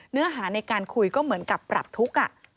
เนื้อหาในการคุยก็เหมือนกับปรับทุกข์